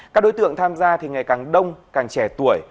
các đối tượng tham gia thì ngày càng đông càng trẻ tuổi